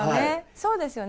そうですよね。